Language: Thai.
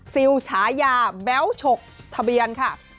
ซิลฉายาแบ๊วฉกทะเบียนค่ะ